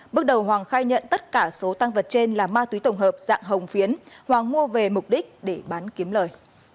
bước đầu hoàng khai nhận tất cả số tăng vật trên là ma túy tổng hợp dạng hồng phiến hoàng mua về mục đích để bán kiếm lời